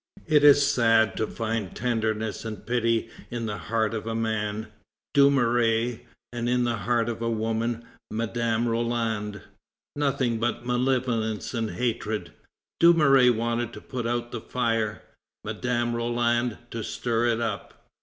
It is sad to find tenderness and pity in the heart of a man, Dumouriez, and in the heart of a woman, Madame Roland, nothing but malevolence and hatred. Dumouriez wanted to put out the fire; Madame Roland, to stir it up.